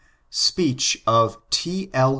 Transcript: [Speech of T. Zr.